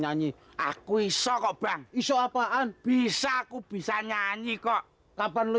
nasib tidak diuntung udah tua belum pengebini